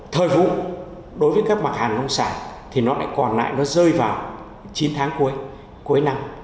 thời vụ đối với các mặt hàng nông sản thì nó lại còn lại nó rơi vào chín tháng cuối cuối năm